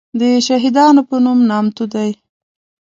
دشهیدانو په نوم نامتو دی.